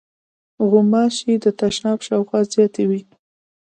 غوماشې د تشناب شاوخوا زیاتې وي.